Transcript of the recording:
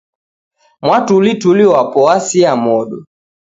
Mwatulituli wapo w'asia modo